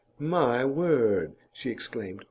'My word!' she exclaimed.